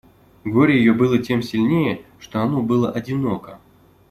Горе ее было тем сильнее, что оно было одиноко.